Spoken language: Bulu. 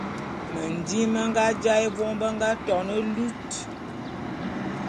Mendim me nga jaé vôm be nga to ne lut.